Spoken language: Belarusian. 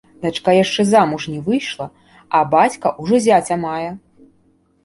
Дачка яшчэ замуж не выйшла, а бацька ўжо зяця мае!